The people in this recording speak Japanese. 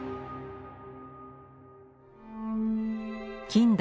近代